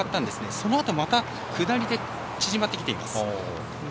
そのあとまた下りで縮まってきています。